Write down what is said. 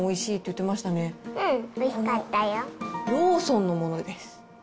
うん、ローソンのものです。